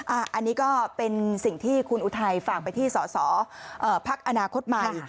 อันนี้ก็เป็นสิ่งที่คุณอุทัยฝากไปที่สสพักอนาคตใหม่